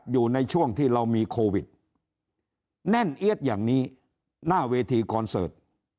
อยู่ในช่วงที่เรามีโควิดแน่นเอี๊ยดอย่างนี้หน้าเวทีคอนเสิร์ต